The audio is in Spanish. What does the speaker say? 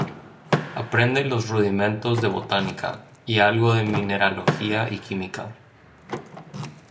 Aprende los rudimentos de botánica, y algo de mineralogía y química.